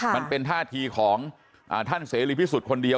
มันเป็นท่าทีของท่านเสรีพิสุทธิ์คนเดียว